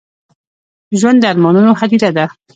ژوند د ارمانونو هديره ده.